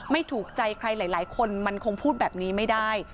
ถูกใจใครหลายคนมันคงพูดแบบนี้ไม่ได้